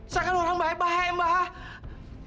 saya kan orang baik baik mbak